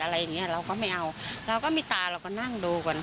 อะไรอย่างเงี้ยเราก็ไม่เอาเราก็มีตาเราก็นั่งดูก่อน